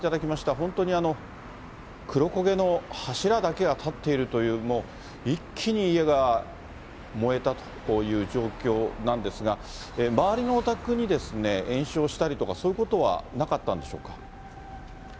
本当に黒焦げの柱だけがたっているという、もう、一気に家が燃えたという状況なんですが、周りのお宅に延焼したりとか、そういうことはなかったんでしょうか。